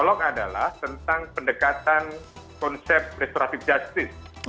dialog adalah tentang pendekatan konsep restoratif justice